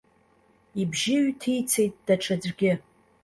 Ибжьы ҩҭицеит даҽаӡәгьы.